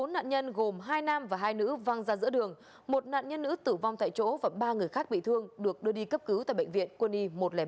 bốn nạn nhân gồm hai nam và hai nữ văng ra giữa đường một nạn nhân nữ tử vong tại chỗ và ba người khác bị thương được đưa đi cấp cứu tại bệnh viện quân y một trăm linh năm